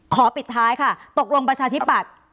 ปิดท้ายค่ะตกลงประชาธิปัตย์